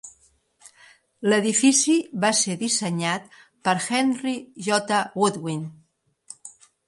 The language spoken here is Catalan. L'edifici va ser dissenyat per Henry J. Goodwin.